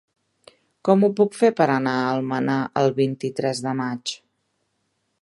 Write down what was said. Com ho puc fer per anar a Almenar el vint-i-tres de maig?